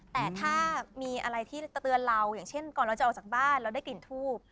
แต่ถ้ามีอะไรที่จะเตือนเราอย่างเช่นก่อนเราจะออกจากบ้านเราได้กลิ่นทูบ